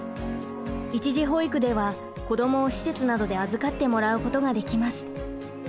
一時保育では子どもを施設などで預かってもらうことができます。